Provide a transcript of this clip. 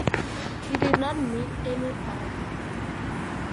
He did not meet anybody.